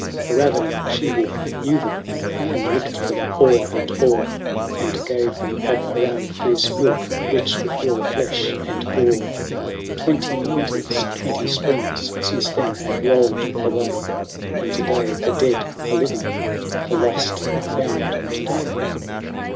The ravening she wolf knew them. And licked them o'er and o'er. And gave them of her own fierce milk, Rich with raw flesh and gore. Twenty winters, twenty springs. Since then have rolled away ; And to day the dead are living : The lost are found to day.